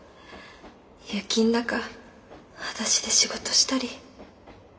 雪ん中はだしで仕事したり。